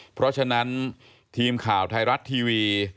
เพราะฉะนั้นทีมข่าวไทยรัฐทีวี